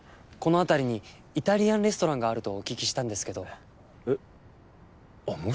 この辺りにイタリアンレストランがあるとお聞きしたんですけど。